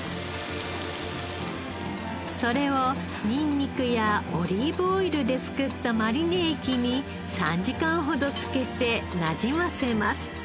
それをニンニクやオリーブオイルで作ったマリネ液に３時間ほど漬けてなじませます。